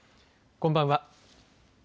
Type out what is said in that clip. こんばんは。